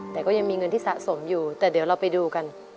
แต่ก็ยังมีเงินที่สะสมอยู่แต่เดี๋ยวเราไปดูกัน